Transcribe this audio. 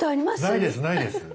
ないですないです。